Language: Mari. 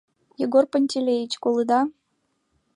— Егор Пантелеич, колыда?